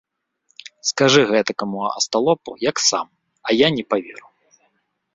Скажы гэтакаму асталопу, як сам, а я не паверу.